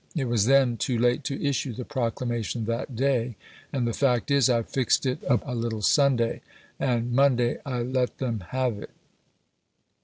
It was then too " yer, thT'" late to issue the proclamation that day; and the and the ' fact is I fixed it up a little Sunday, and Monday I pp. ne, in. let them have it."